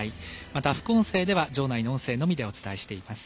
また、副音声では場内の音声のみでお伝えしています。